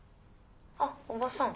あっおばさん。